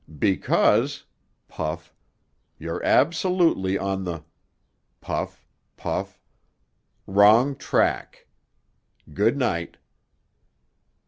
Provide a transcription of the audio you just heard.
"Because"—puff—"you're absolutely on the"—puff—puff—"wrong track. Good night."